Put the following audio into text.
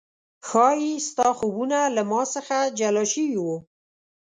ښايي ستا خوبونه له ما څخه جلا شوي و